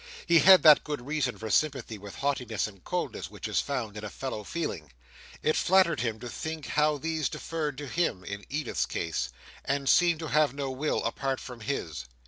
He had that good reason for sympathy with haughtiness and coldness, which is found in a fellow feeling. It flattered him to think how these deferred to him, in Edith's case, and seemed to have no will apart from his.